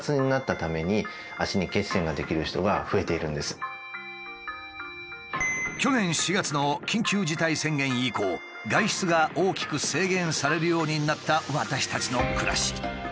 実は去年４月の緊急事態宣言以降外出が大きく制限されるようになった私たちの暮らし。